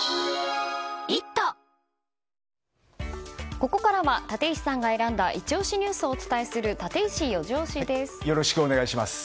ここからは立石さんが選んだイチ推しニュースをお伝えするよろしくお願いします。